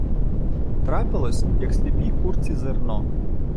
Трапилось, як сліпій курці зерно.